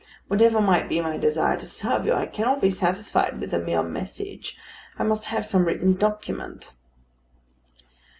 Whatever might be my desire to serve you, I cannot be satisfied with a mere message. I must have some written document."